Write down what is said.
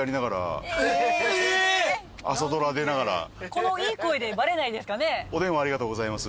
このいい声でバレないんですかね？